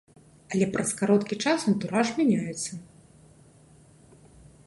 Але праз кароткі час антураж мяняецца.